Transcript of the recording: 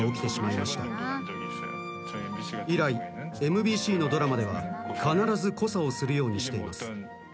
以来ＭＢＣのドラマでは必ずコサをするようにしています。